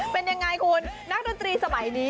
เป็นยังไงคุณนักดนตรีสมัยนี้